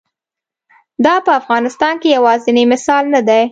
دا په افغانستان کې یوازینی مثال نه دی.